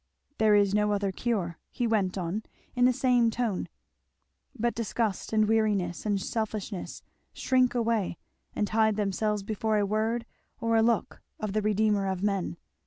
"There is no other cure," he went on in the same tone; "but disgust and weariness and selfishness shrink away and hide themselves before a word or a look of the Redeemer of men.